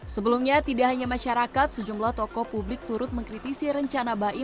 sebelumnya tidak hanya masyarakat sejumlah tokoh publik turut mengkritisi rencana baim